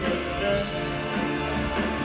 ว่าเธอคือคนแม่